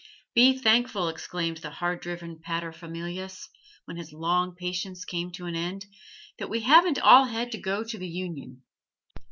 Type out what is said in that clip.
'Be thankful,' exclaimed the hard driven paterfamilias, when his long patience came to an end, 'that we haven't all to go to the Union.